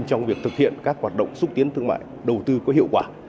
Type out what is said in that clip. trong việc thực hiện các hoạt động xúc tiến thương mại đầu tư có hiệu quả